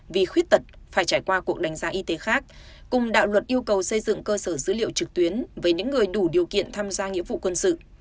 vì khuyết tật phải trải qua cuộc đánh giá y tế khác cùng đạo luật yêu cầu xây dựng cơ sở dữ liệu trực tuyến với những người đủ điều kiện tham gia nghĩa vụ quân sự